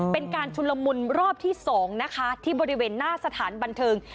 เป็นการชุนละมุนรอบที่๒นะคะที่บริเวณหน้าสถานบันเทิง